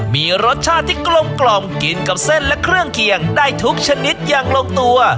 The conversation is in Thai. มีรสชาติที่กลมกินกับเส้นและเครื่องเคียงได้ทุกชนิดอย่างลงตัว